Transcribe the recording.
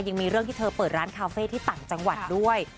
ยังมีเรื่องที่เธอเปิดร้านคาเฟ่ที่ต่างจังหวัดด้วย